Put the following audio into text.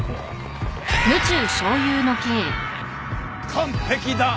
完璧だ。